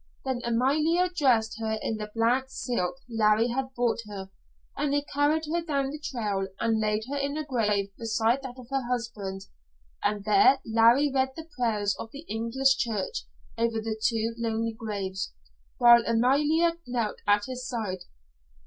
Then Amalia dressed her in the black silk Larry had brought her, and they carried her down the trail and laid her in a grave beside that of her husband, and there Larry read the prayers of the English church over the two lonely graves, while Amalia knelt at his side.